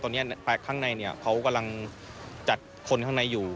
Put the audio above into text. ตอนนี้ข้างในเขากำลังจัดคนข้างในอยู่